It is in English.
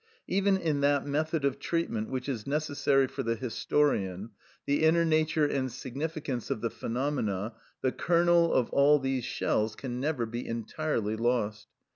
Even in that method of treatment which is necessary for the historian, the inner nature and significance of the phenomena, the kernel of all these shells, can never be entirely lost.